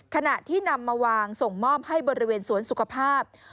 ขณะที่นำมาวางส่งมอบให้บริเวณสวนสุขภาพ